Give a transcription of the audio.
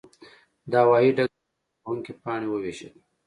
د هوايي ډګر کارکوونکي پاڼې وویشلې.